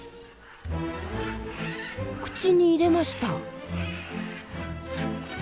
口に入れました。